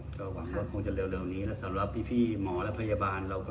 ก็หวังว่าคงจะเร็วนี้แล้วสำหรับพี่หมอและพยาบาลเราก็